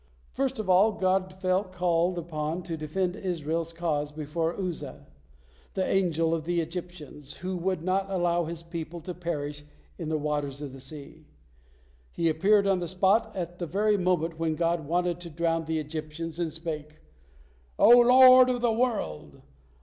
First of all God felt called upon to defend Israel's cause before Uzza, the Angel of the Egyptians, who would not allow his people to perish in the waters of the sea. He appeared on the spot at the very moment when God wanted to drown the Egyptians, and he spake: "O Lord of the world!